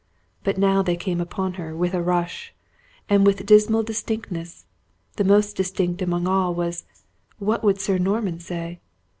But now they came upon her with a rush, and with dismal distinctness; and most distinct among all was, what would Sir Norman say!